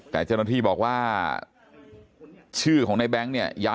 แต่เจ้าหน้าที่บอกว่าชื่อของในแบงค์เนี่ย